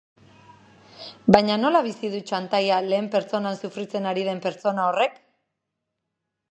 Baina nola bizi du txantaia lehen pertsonan sufritzen ari den pertsona horrek?